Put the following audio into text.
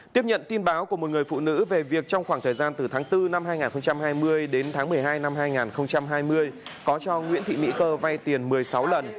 tiếp nhận tin báo của một người phụ nữ về việc trong khoảng thời gian từ tháng bốn năm hai nghìn hai mươi đến tháng một mươi hai năm hai nghìn hai mươi có cho nguyễn thị mỹ cơ vay tiền một mươi sáu lần